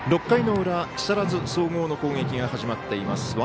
６回の裏木更津総合の攻撃が始まっています。